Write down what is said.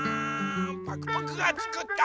パクパクがつくった